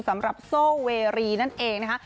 สำหรับโซเวรีนั่นเองนะคะ